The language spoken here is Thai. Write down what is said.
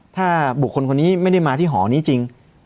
ถ้าบุคคลคนนี้ไม่ได้มาที่หอนี้จริง